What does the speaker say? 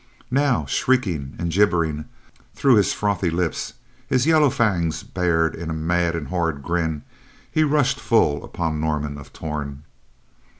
Now, shrieking and gibbering through his frothy lips, his yellow fangs bared in a mad and horrid grin, he rushed full upon Norman of Torn.